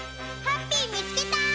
ハッピーみつけた！